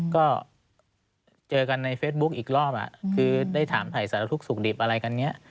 ก็เจอกันในเฟซบุ๊คอีกรอบคือได้ถามถ่ายสารทุกข์สุขดิบอะไรกันเนี่ย